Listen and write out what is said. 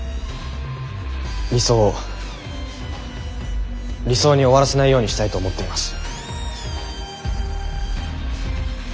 理想を理想に終わらせないようにしたいと思っています。